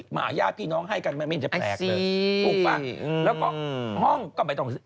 หมาญาติพี่น้องให้กันมันไม่เห็นจะแปลกเลยถูกป่ะแล้วก็ห้องก็ไม่ต้องซื้อ